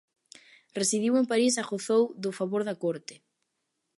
Residiu en París e gozou do favor da Corte.